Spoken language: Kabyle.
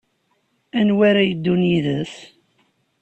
Anwa ara yeddun yid-s?